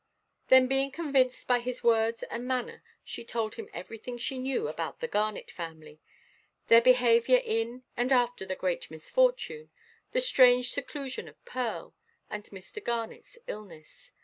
Then, being convinced by his words and manner, she told him everything she knew about the Garnet family—their behaviour in and after the great misfortune; the strange seclusion of Pearl, and Mr. Garnetʼs illness.